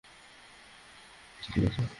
আচ্ছা, আমি এখানেই আপনাকে থামাচ্ছি, ঠিক আছে?